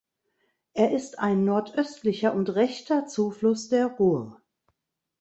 Er ist ein nordöstlicher und rechter Zufluss der Ruhr.